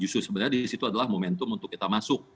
itu di situ adalah momentum untuk kita masuk